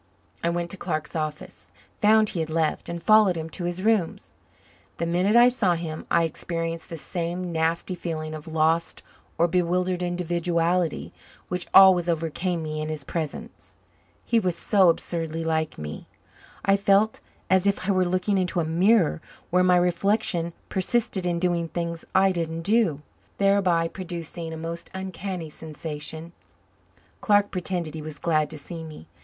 I went to Clark's office, found he had left, and followed him to his rooms. The minute I saw him I experienced the same nasty feeling of lost or bewildered individuality which always overcame me in his presence. He was so absurdly like me. I felt as if I were looking into a mirror where my reflection persisted in doing things I didn't do, thereby producing a most uncanny sensation. Clark pretended he was glad to see me.